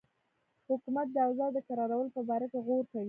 حکومت د اوضاع د کرارولو په باره کې غور کوي.